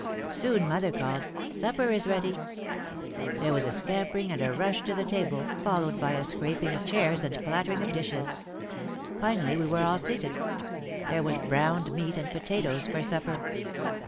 Soon mother called, "Sup per is ready." There was a scampering and a rush to the table, followed by a scraping of chairs and a clattering of dishes. Finally we were all seated. There was browned meat and potatoes for supper.